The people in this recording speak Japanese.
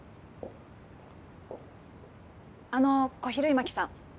あの小比類巻さん。